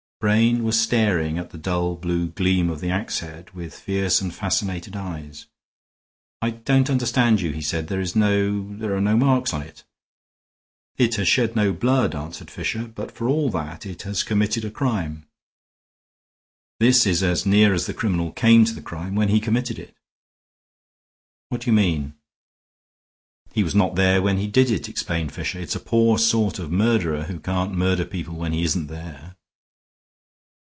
Brain was staring at the dull blue gleam of the ax head with fierce and fascinated eyes. "I don't understand you," he said. "There is no there are no marks on it." "It has shed no blood," answered Fisher, "but for all that it has committed a crime. This is as near as the criminal came to the crime when he committed it." "What do you mean?" "He was not there when he did it," explained Fisher. "It's a poor sort of murderer who can't murder people when he isn't there."